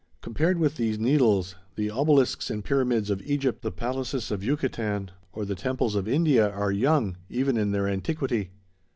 Compared with these needles, the obelisks and pyramids of Egypt, the palaces of Yucatan, or the temples of India are young, even in their antiquity.